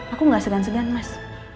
aku gak segan segan mas